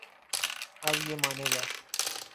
اب یہ مانے گا۔